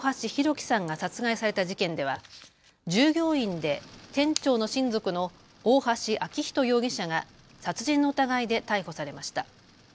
輝さんが殺害された事件では従業員で店長の親族の大橋昭仁容疑者が殺人の疑いで逮捕されました。